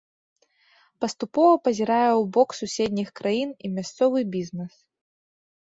Паступова пазірае ў бок суседніх краін і мясцовы бізнэс.